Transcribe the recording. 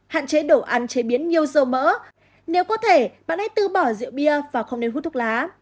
hạn chế đồ ăn chế biến nhiều dầu mỡ nếu có thể bạn hãy tư bỏ rượu bia và không nên hút thuốc lá